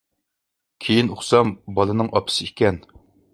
كېيىن ئۇقسام، بالىنىڭ ئاپىسى ئىكەن.